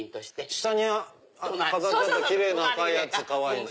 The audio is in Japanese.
下に飾ってあった奇麗な赤いやつかわいい。